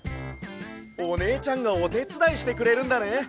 おねえちゃんがおてつだいしてくれるんだね！